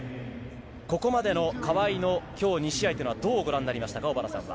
ここまでの川井のきょう２試合というのはどうご覧になりましたか？